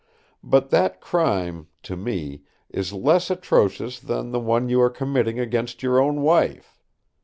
But that crime, to me, is less atrocious than the one you are committing against your own wife.